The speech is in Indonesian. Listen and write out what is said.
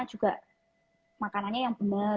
juga makanannya yang benar